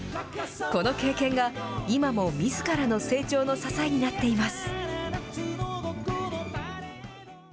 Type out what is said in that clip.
この経験が今もみずからの成長の支えになっています。